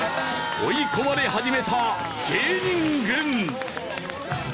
追い込まれ始めた芸人軍。